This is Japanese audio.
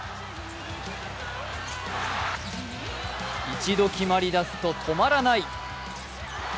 一度決まり出すと止まらない！